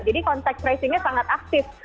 jadi kontak tracingnya sangat aktif